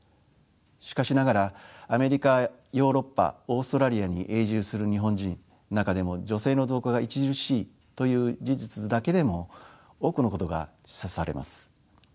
しかしながらアメリカヨーロッパオーストラリアに永住する日本人中でも女性の増加が著しいという事実だけでも多くのことが示唆されます。